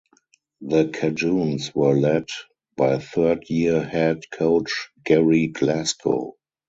The Cajuns were led by third year head coach Gerry Glasco.